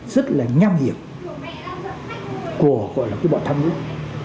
rất là nham hiểm của gọi là cái bọn tham nhũng